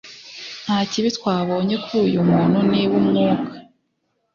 nta kibi twabonye kuri uyu muntu niba umwuka